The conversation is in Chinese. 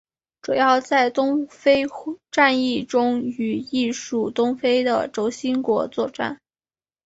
主要在东非战役中与意属东非的轴心国作战。